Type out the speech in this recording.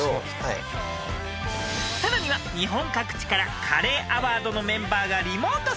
［さらには日本各地からカレーアワードのメンバーが］